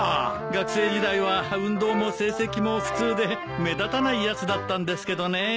学生時代は運動も成績も普通で目立たないやつだったんですけどねぇ。